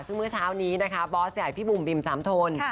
ซึ่งเมื่อเช้านี้นะคะบอสใหญ่พี่บุ๋มบิมสามทน